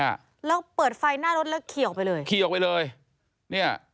อ่ะแล้วเปิดไฟหน้ารถแล้วขี่ออกไปเลยขี่ออกไปเลยเนี้ย